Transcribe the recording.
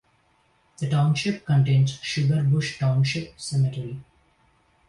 The township contains Sugar Bush Township Cemetery.